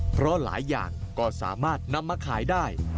เพราะหลายอย่างก็สามารถนำมาขายได้